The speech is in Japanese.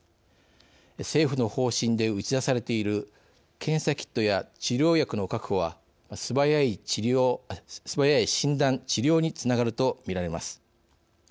政府の方針で打ち出されている検査キットや治療薬の確保は素早い診断、治療につながるとみられます。